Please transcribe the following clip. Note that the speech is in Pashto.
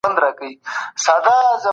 فساد د هرې ټولني د بدبختۍ پیل دی.